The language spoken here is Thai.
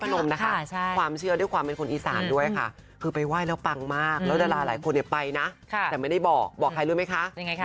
เออนะแต่ว่าส่วนหนึ่งนะคะ